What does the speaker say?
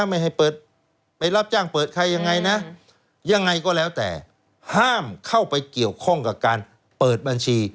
ไม่ให้เปิดไปรับจ้างเปิดใครยังไงนะยังไงก็แล้วแต่ห้ามเข้าไปเกี่ยวข้องกับการเปิดบัญชี